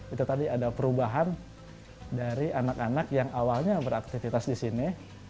itu tadi ada perubahan dari anak anak yang awalnya beraktivitas di sini